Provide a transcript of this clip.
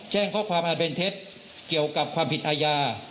แจ้งข้อความอันเป็นเท็จเกี่ยวกับความผิดอาญา